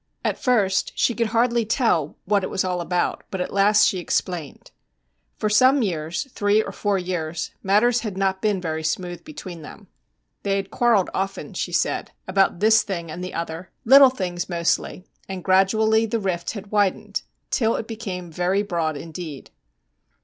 At first she could hardly tell what it was all about, but at last she explained. For some years, three or four years, matters had not been very smooth between them. They had quarrelled often, she said, about this thing and the other, little things mostly; and gradually the rift had widened till it became very broad indeed.